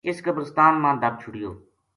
اس قبرستان ما دَب چھُڑیو